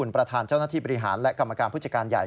ประธานเจ้าหน้าที่บริหารและกรรมการผู้จัดการใหญ่